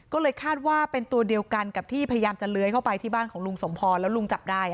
ก็เลยคาดว่าเป็นตัวเดียวกันกับที่พยายามจะเลื้อยเข้าไปที่บ้านของลุงสมพรแล้วลุงจับได้